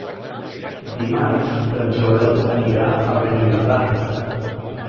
Dimarts en Joel anirà a Beniardà.